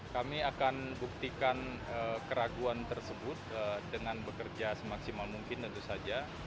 kami akan buktikan keraguan tersebut dengan bekerja semaksimal mungkin tentu saja